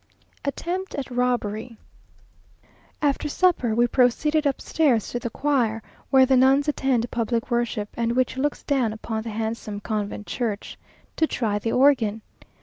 Attempt at Robbery After supper we proceeded upstairs to the choir (where the nuns attend public worship, and which looks down upon the handsome convent church) to try the organ.